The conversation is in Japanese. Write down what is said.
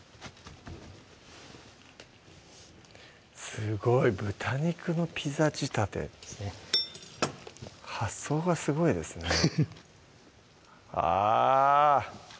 すごい「豚肉のピザ仕立て」発想がすごいですねあぁ！